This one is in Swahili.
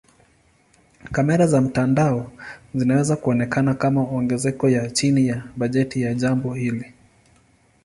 Kamera za mtandao zinaweza kuonekana kama ongezeko ya chini ya bajeti ya jambo hili.